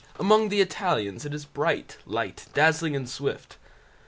Among the Italians it is bright, light, dazzling, and swift.